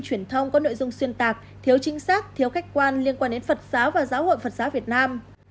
truyền thông có nội dung xuyên tạc thiếu chính xác thiếu khách quan liên quan đến phật giáo và giáo hội phật giáo việt nam